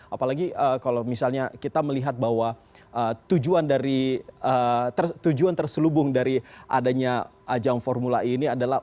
apalagi kalau misalnya kita melihat bahwa tujuan terselubung dari adanya ajang formula ini adalah